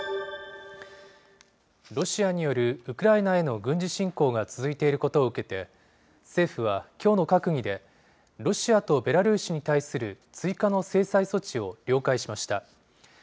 ロシアによるウクライナへの軍事侵攻が続いていることを受けて、政府はきょうの閣議で、ロシアとベラルーシに対する追加の制裁措置を了解しました。